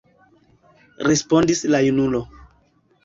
respondis la junulo.